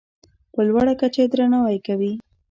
په لوړه کچه یې درناوی کوي.